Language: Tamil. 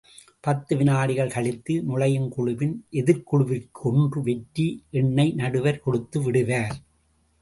பத்து வினாடிகள் கழித்து நுழையும் குழுவின் எதிர்க்குழுவிற்கு ஒன்று வெற்றி எண்ணை நடுவர் கொடுத்து விடுவார்.